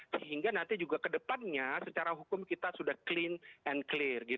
sehingga nanti juga kedepannya secara hukum kita sudah clean and clear